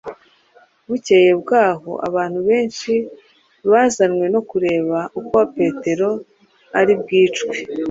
Bukeye bw’aho abantu benshi bazanywe no kureba uko Petero ari bwicwe.